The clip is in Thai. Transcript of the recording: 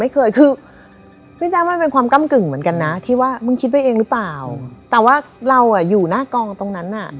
เข้าพร้อมเข้ามาในกล้อง